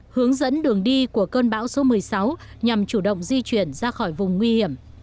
hướng dẫn đường đi của cơn bão số một mươi sáu nhằm chủ động di chuyển ra khỏi vùng nguy hiểm